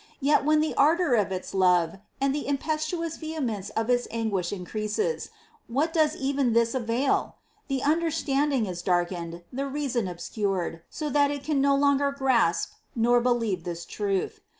Yet when the ardour of its love and the impetuous vehemence of its anguish increases, what does even this avail ? The understanding is darkened, the reason obscured, so that it can no longer grasp nor believe this truth.